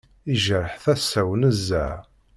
Yejreḥ tasa-w nezzeh.